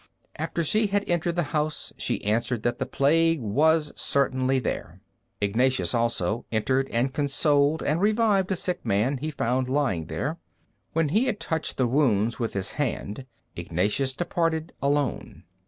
After she had entered the house she answered that the plague was certainly there. Ignatius, also, entered and consoled and revived a sick man he found lying there. When he had touched the wounds with his hand, Ignatius departed alone.